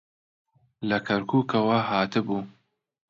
لە کەرکووکەوە هاتبوو.